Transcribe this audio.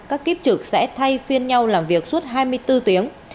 các kiếp trực sẽ thay phiên nhau làm việc suốt hai mươi bốn tiếng